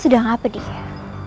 sedang apa dia